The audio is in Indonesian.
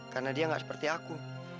karena dia ga seperti aku